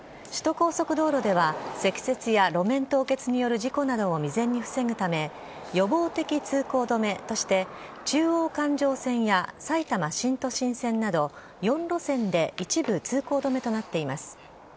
首都高速道路では積雪や路面凍結による事故などを未然に防ぐため予防的通行止めとして中央環状線や埼玉新都心線など４路線で一部通行止めとなっています。